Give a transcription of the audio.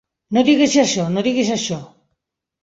No diguis això, no diguis això.